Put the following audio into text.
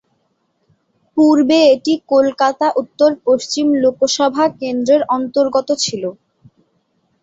পূর্বে এটি কলকাতা উত্তর পশ্চিম লোকসভা কেন্দ্রের অন্তর্গত ছিল।